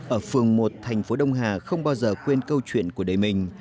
ở phường một thành phố đông hà không bao giờ quên câu chuyện của đời mình